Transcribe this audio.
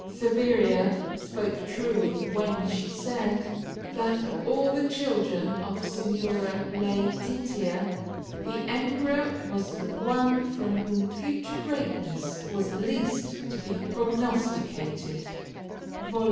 Saveria spoke truly when she said, that of all the children of Signora Laetitia, the Emperor was the one from whom future greatness was least to be prognosticated" (vol.